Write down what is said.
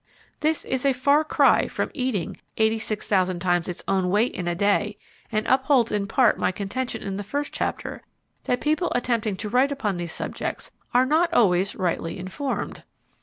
This is a far cry from eating eighty six thousand times its own weight in a day and upholds in part my contention in the first chapter, that people attempting to write upon these subjects "are not always rightly informed."